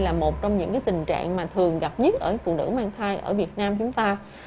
là một trong những tình trạng mà thường gặp nhất ở phụ nữ mang thai ở việt nam chúng ta